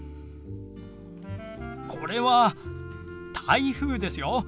これは「台風」ですよ。